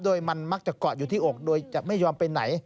โดยมันมักจะเกาะอยู่ที่อกโดยจะไม่ยอมไปไหน